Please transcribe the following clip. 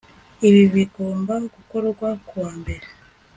Ibi bigomba gukorwa kuwa mbere